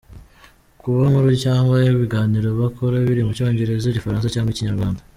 Kuba inkuru cyangwa ibiganiro bakora biri mu cyongereza, igifaransa cyangwa ikinyarwanda.